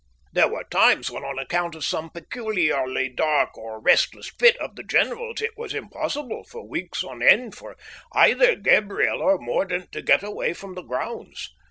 There were times when on account of some peculiarly dark or restless fit of the general's it was impossible for weeks on end for either Gabriel or Mordaunt to get away from the grounds.